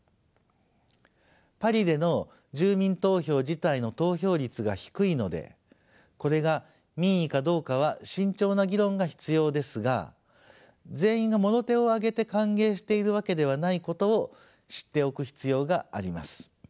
パリでの住民投票自体の投票率が低いのでこれが民意かどうかは慎重な議論が必要ですが全員がもろ手を挙げて歓迎しているわけではないことを知っておく必要があります。